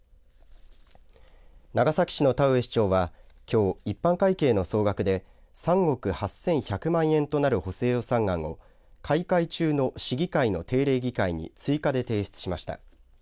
長崎市の田上市長はきょう、一般会計の総額で３億８１００万円となる補正予算案を開会中の市議会の定例議会に追加で提出しました。